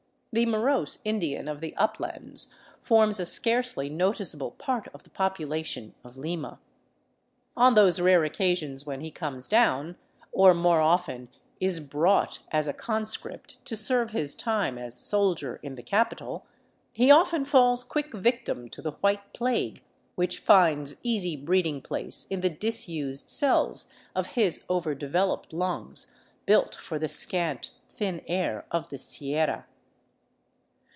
The morose Indian of the uplands forms a scarcely noticeable part of the population of Lima. On those rare occasions when he comes down, or more often is l)rought as a conscript to serve his time as soldier in the capital, he often falls quick victim to the white plague, which finds easy breed ing place in the disused cells of his overdeveloped lungs, built for the scant, thin air of the Sierra.